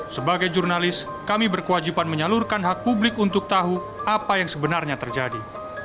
sebagai jurnalis kami berkewajiban menyalurkan hak publik untuk tahu apa yang sebenarnya terjadi